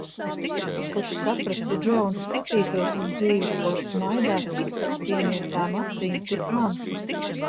Kurš saprastu Džo un skatītos uz dzīvi caur smaidā tikpat piemiegtām acīm, cik man.